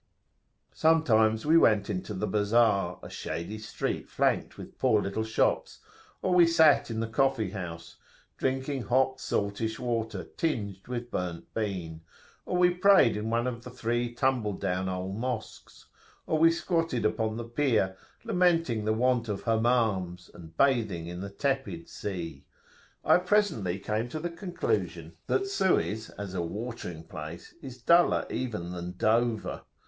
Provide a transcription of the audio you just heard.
Sometimes we went into the Bazar, a shady street flanked with poor little shops, or we sat in the coffee house,[FN#16] drinking hot saltish water tinged with burnt bean, or we prayed in one of three tumble down old Mosques, or we squatted upon the pier, lamenting the want of Hammams, and bathing in the tepid sea.[FN#17] I presently came to the conclusion that [p.174]Suez as a "watering place" is duller even than Dover.